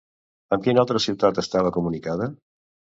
Amb quina altra ciutat estava comunicada?